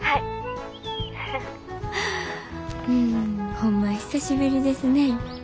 ホンマ久しぶりですね。